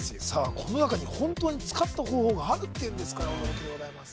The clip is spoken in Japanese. この中に本当に使った方法があるっていうんですから驚きでございます